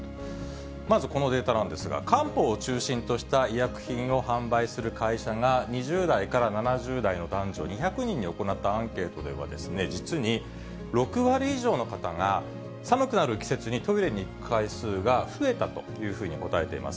まずこのデータなんですが、漢方を中心とした医薬品を販売する会社が、２０代から７０代の男女２００人に行ったアンケートでは、実に６割以上の方が、寒くなる季節にトイレに行く回数が増えたというふうに答えています。